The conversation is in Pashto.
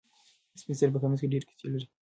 سپین سرې په کمیس کې ډېرې کیسې لرلې.